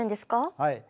はい。